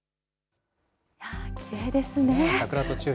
きれいですね。